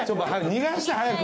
逃がして早く！